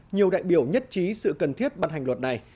nhiều đại biểu nhất trí sự cần thiết ban hành luật này